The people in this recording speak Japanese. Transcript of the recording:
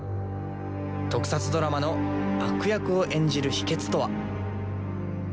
特撮ドラマの悪役を演じる秘けつとは。